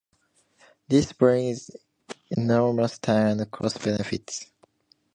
This brings enormous time and cost benefits.